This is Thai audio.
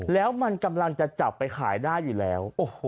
แล้วมันกำลังจะจับไปขายได้อยู่แล้ว